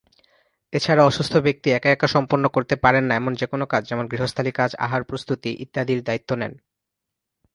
এছাড়া অসুস্থ ব্যক্তি একা একা সম্পন্ন করতে পারেন না, এমন যেকোনও কাজ যেমন গৃহস্থালি কাজ, আহার প্রস্তুতি, ইত্যাদির দায়িত্ব নেন।